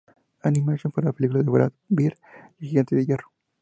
Animation para la película de Brad Bird, El Gigante de Hierro.